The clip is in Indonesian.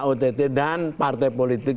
ott dan partai politik